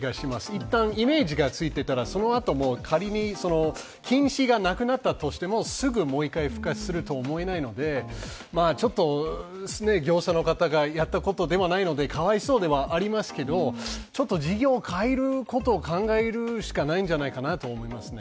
一旦イメージがついたら、そのあとも仮に禁止がなくなったとしてもすぐもう一回復活すると思えないので業者の方がやったことではないのでかわいそうではありますが、事業を変えることを考えるしかないんじゃないかなと思いますね。